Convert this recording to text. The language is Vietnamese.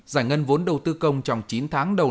giải ngân vốn đầu tư công trong chín tháng đầu